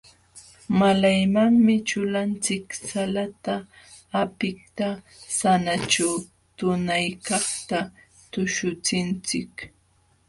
Malaymanmi ćhulanchik salata hapiqta sananćhu tunaykaqta tuśhuchinchik.